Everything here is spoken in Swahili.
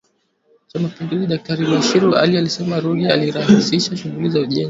Cha Mapinduzi Daktari Bashiru Ali alisema Ruge alirahisisha shughuli za ujenzi